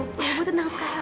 kamu tenang sekarang